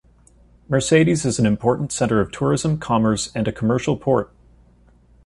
Mercedes is an important centre of tourism, commerce and a commercial port.